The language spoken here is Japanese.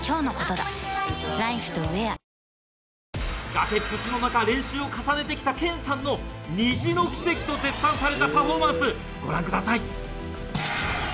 崖っぷちの中練習を重ねてきたケンさんの「Ｎｉｚｉの奇跡」と絶賛されたパフォーマンスご覧ください。